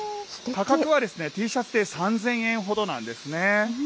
価格はＴシャツで３０００円ほどなんですね。